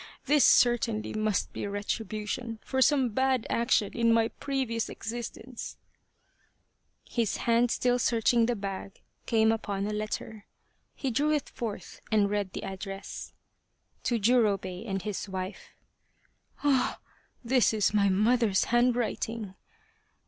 This certainly must be retribution for some bad action in my previous existence !" His hand still searching the bag came upon a letter. He drew it forth and read the address :" To Jurobei and his Wife !"" Ah ! this is my mother's handwriting